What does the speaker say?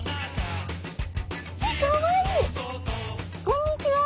こんにちは。